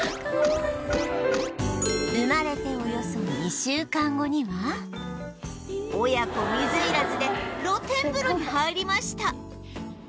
生まれておよそ２週間後には親子水入らずで露天風呂に入りました